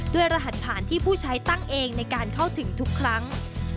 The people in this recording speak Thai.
รหัสผ่านที่ผู้ใช้ตั้งเองในการเข้าถึงทุกครั้ง